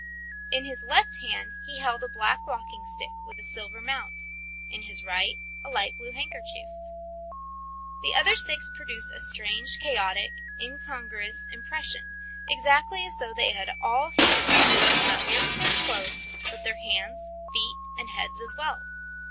In his left hand he held a black walking stick with a silver mount, in his right a light blue handkerchief. The other six produced a strange, chaotic, incongruous impression, exactly as though they had all hastily pooled not merely their clothes, but their hands, feet and heads as well.